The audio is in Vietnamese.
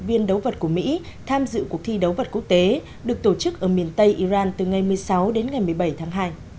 viên đấu vật của mỹ tham dự cuộc thi đấu vật quốc tế được tổ chức ở miền tây iran từ ngày một mươi sáu đến ngày một mươi bảy tháng hai